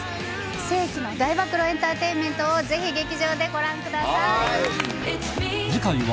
世紀の大暴露エンターテインメントをぜひ劇場でご覧ください。